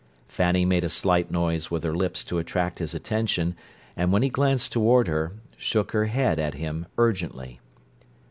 Fanny made a slight noise with her lips to attract his attention, and, when he glanced toward her, shook her head at him urgently.